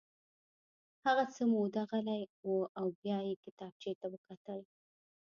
هغه څه موده غلی و او بیا یې کتابچې ته وکتل